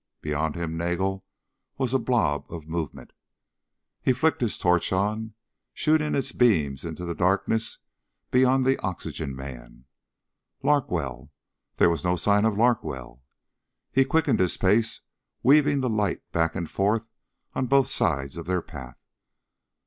Beyond him, Nagel was a blob of movement. He flicked his torch on, shooting its beams into the darkness beyond the oxygen man. Larkwell there was no sign of Larkwell. He quickened his pace, weaving the light back and forth on both sides of their path.